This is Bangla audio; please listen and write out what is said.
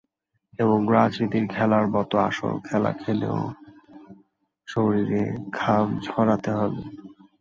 এবং রাজনীতির খেলার মতো আসল খেলা খেলেও শরীরে ঘাম ঝরাতে হবে।